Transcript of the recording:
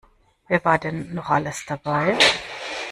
Wer war denn noch alles dabei?